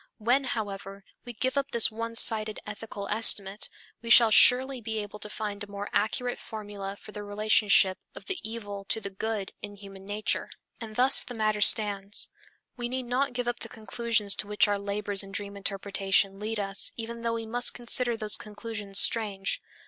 When, however, we give up this one sided ethical estimate, we shall surely be able to find a more accurate formula for the relationship of the evil to the good in human nature. And thus the matter stands. We need not give up the conclusions to which our labors in dream interpretation lead us even though we must consider those conclusions strange.